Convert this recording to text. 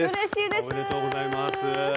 おめでとうございます。